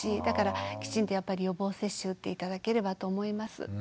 だからきちんとやっぱり予防接種打って頂ければと思います。